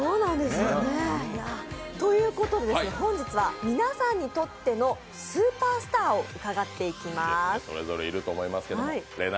ということで、本日は皆さんにとってのスーパースターを伺っていきます。